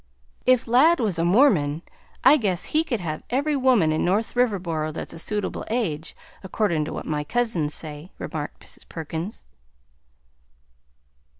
"If Ladd was a Mormon, I guess he could have every woman in North Riverboro that's a suitable age, accordin' to what my cousins say," remarked Mrs. Perkins.